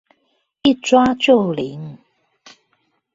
一抓就靈！